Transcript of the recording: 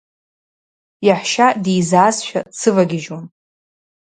Иаҳәшьа дизаазшәа дсывагьежьуан.